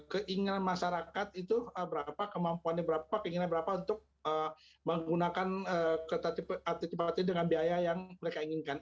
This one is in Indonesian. keinginan masyarakat itu berapa kemampuannya berapa keinginan berapa untuk menggunakan kereta cepat ini dengan biaya yang mereka inginkan